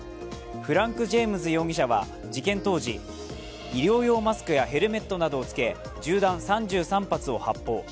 フランク・ジェームズ容疑者は事件当時、医療用マスクやヘルメットなどを着け銃弾３３発を発砲。